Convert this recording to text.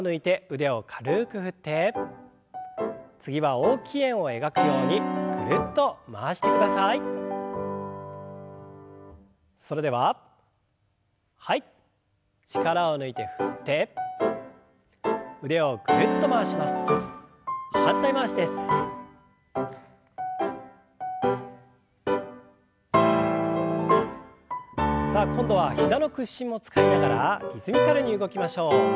さあ今度は膝の屈伸も使いながらリズミカルに動きましょう。